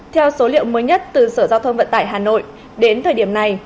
theo số liệu mới nhất từ sở giao thông vận tải hà nội đến thời điểm này